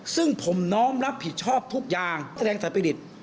ซึ่งผมน้องรับผิดชอบทุกอย่างแสดงสัตว์ประดิษฐ์